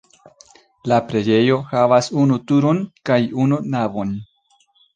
La preĝejo havas unu turon kaj unu navon.